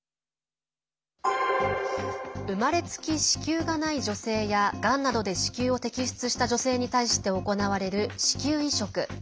生まれつき子宮がない女性やがんなどで子宮を摘出した女性に対して行われる子宮移植。